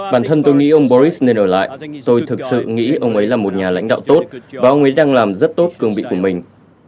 bản thân tôi nghĩ ông boris nên ở lại tôi thực sự nghĩ ông ấy là một nhà lãnh đạo tốt và ông ấy đang làm rất tốt cương vị của mình